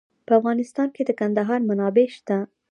په افغانستان کې د کندهار منابع شته.